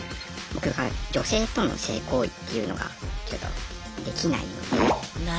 僕が女性との性行為っていうのがちょっとできないので。